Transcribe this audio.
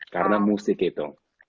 karena musik itu